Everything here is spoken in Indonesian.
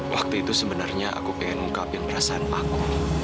waktu itu sebenarnya aku pengen ungkap yang perasaan aku